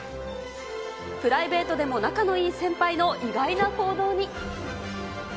プライベートでも仲のいい先輩の意外な行動に。